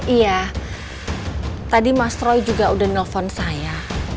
iya tadi mas troy juga udah nelfon saya